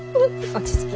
落ち着き。